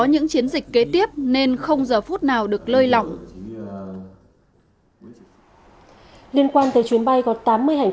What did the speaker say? những chiến dịch kế tiếp nên không giờ phút nào được lơi lỏng liên quan tới chuyến bay có tám mươi hành